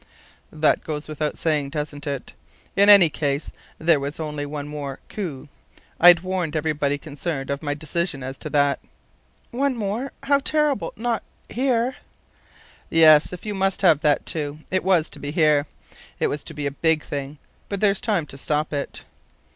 "That goes without saying, doesn't it? In any case, there was only to be one more coup. I'd warned everybody concerned of my decision as to that." "One more? How terrible! Not here?" "Yes, if you must have that, too; it was to be here. It was to be a big thing. But there's time to stop it."